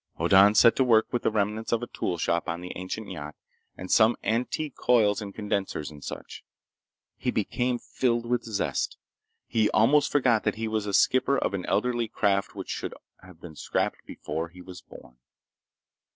Hoddan set to work with the remnants of a tool shop on the ancient yacht and some antique coils and condensers and such. He became filled with zest. He almost forgot that he was the skipper of an elderly craft which should have been scrapped before he was born.